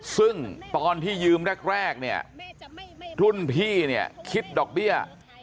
ซึ่งตอนที่ยืมแรกเนี่ยรุ่นพี่เนี่ยคิดดอกเบี้ย